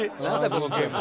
このゲーム」